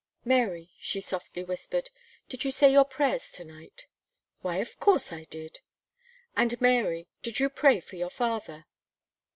"Mary," she softly whispered, "did you say your prayers to night?" "Why, of course I did." "And, Mary, did you pray for your father?"